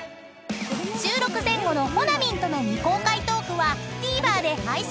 ［収録前後のほなみんとの未公開トークはＴＶｅｒで配信］